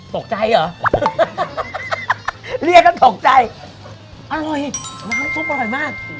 ตกใจเหรอเรียกกันตกใจอร่อยน้ำซุปอร่อยมาก